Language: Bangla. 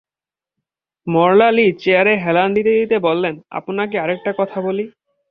মারলা লি চেয়ারে হেলান দিতে দিতে বললেন, আপনাকে আরেকটা কথা বলি।